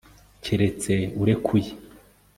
keretse urekuye